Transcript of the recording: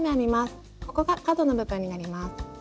ここが角の部分になります。